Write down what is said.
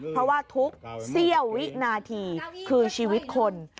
เพราะว่าทุกเสี้ยววินาทีคือชีวิตคน